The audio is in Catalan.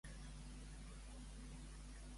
És una forma perquè tots els aficionats s'uneixin?